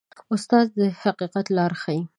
استاد د حقیقت لاره ښيي.